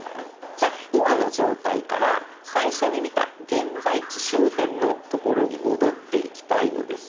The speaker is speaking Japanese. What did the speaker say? じゃあ今の状態から最初に見た現在地周辺の所に戻っていきたいのですが。